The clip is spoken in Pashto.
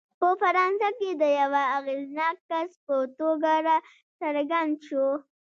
په فرانسه کې د یوه اغېزناک کس په توګه راڅرګند شو.